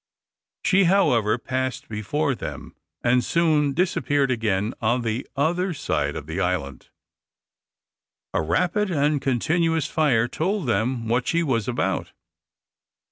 She, however, passed before them, and soon disappeared again on the other side of the island. A rapid and continuous fire told them what she was about.